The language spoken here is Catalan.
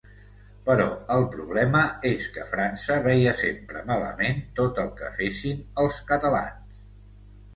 Però el problema és que França veia sempre malament tot el que fessin els catalans.